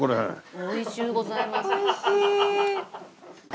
「おいしゅうございます」